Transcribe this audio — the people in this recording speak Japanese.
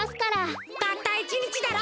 たったいちにちだろ。